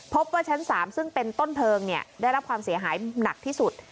พบว่าชั้น๓ซึ่งเป็นต้นเพลิงได้รับความเสียหายหนักที่สุด